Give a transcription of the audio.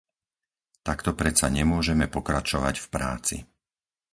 Takto predsa nemôžeme pokračovať v práci.